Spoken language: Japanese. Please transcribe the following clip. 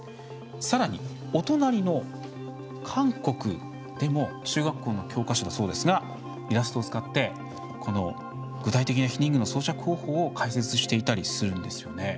さらに、お隣の韓国でも中学校の教科書だそうですがイラストを使って具体的な避妊具の装着方法を解説していたりするんですよね。